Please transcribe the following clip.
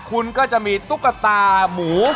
คุณก็จะมีตุ๊กตาหมู